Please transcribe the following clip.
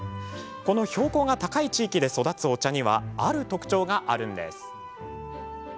この標高が高い地域で育つお茶には、ある特徴があるんです。